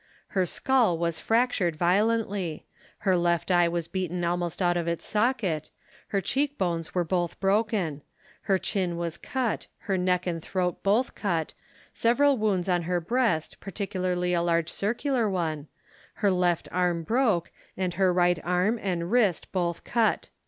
Her skull was fractured violently; her left eye was beaten almost out of its socket; her cheekbones were both broken; her chin was cut; her neck and throat both cut; several wounds on her breast, particularly a large circular one; her left arm broke, and her right arm and wrist both cut.